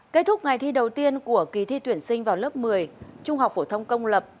kết thúc ngày thi đầu tiên của kỳ thi tuyển sinh vào lớp một mươi trung học phổ thông công lập